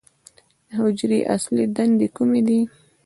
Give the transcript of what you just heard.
د حجرې اصلي دندې کومې دي؟